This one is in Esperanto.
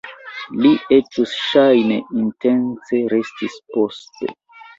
Li eĉ ŝajne intence restis poste!